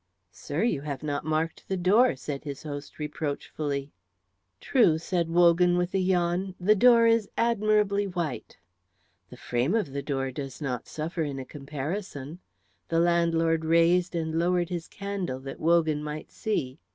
"Sir, you have not marked the door," said his host, reproachfully. "True," said Wogan, with a yawn; "the door is admirably white." "The frame of the door does not suffer in a comparison." The landlord raised and lowered his candle that Wogan might see.